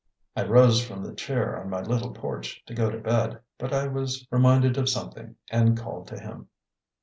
I rose from the chair on my little porch, to go to bed; but I was reminded of something, and called to him.